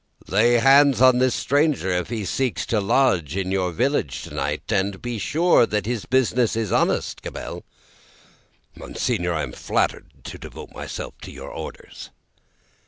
"Lay hands on this stranger if he seeks to lodge in your village to night, and be sure that his business is honest, Gabelle." "Monseigneur, I am flattered to devote myself to your orders."